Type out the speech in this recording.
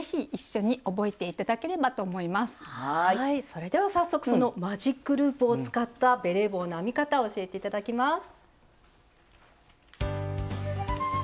それでは早速マジックループを使ったベレー帽の編み方を教えて頂きます。